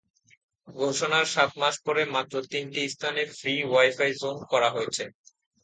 ঘোষণার সাত মাস পরে মাত্র তিনটি স্থানে ফ্রি ওয়াই–ফাই জোন করা হয়েছে।